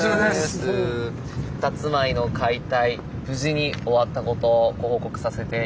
たつまいの解体無事に終わったことをご報告させて頂きに来ました。